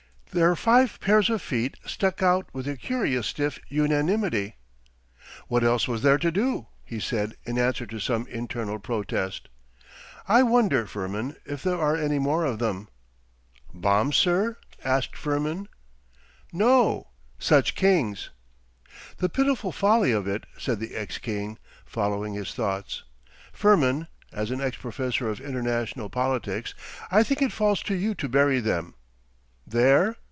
Their five pairs of feet stuck out with a curious stiff unanimity.... 'What else was there to do?' he said in answer to some internal protest. 'I wonder, Firmin, if there are any more of them?' 'Bombs, sir?' asked Firmin. 'No, such kings.... 'The pitiful folly of it!' said the ex king, following his thoughts. 'Firmin, as an ex professor of International Politics, I think it falls to you to bury them. There?